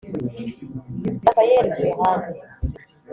Raphael Varane